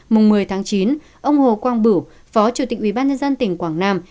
mùng một mươi tháng chín ông hồ quang bửu phó chủ tịch ubnd tỉnh quảng nam